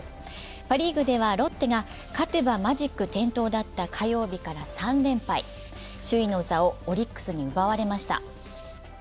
パ・リーグではロッテが勝てばマジック点灯だった火曜日から３連敗、首位の座をオリックスに奪われました。